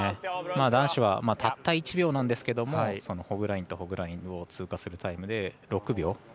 男子はたった１秒なんですけどホッグラインとホッグラインを通過するタイムで６秒。